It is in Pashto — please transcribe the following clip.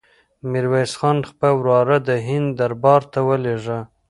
میرویس خان خپل وراره د هند دربار ته ولېږه.